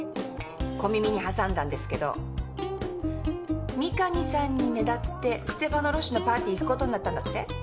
小耳に挟んだんですけど三神さんにねだってステファノ・ロッシのパーティー行くことになったんだって？